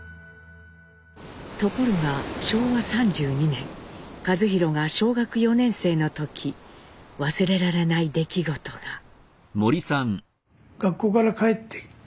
ところが昭和３２年一寛が小学４年生の時忘れられない出来事が。え？